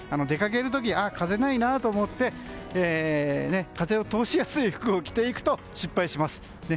出かける時、風ないなと思って風を通しやすい服を着ていくと失敗します。